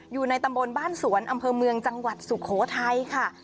อยู่ในตำบลบ้านสวนอำเภอเมืองจังหวัดสุโขทัยค่ะ